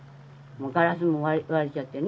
ガラスも割れちゃってね。